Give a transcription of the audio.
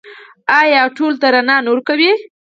آیا او ټولو ته رڼا نه ورکوي؟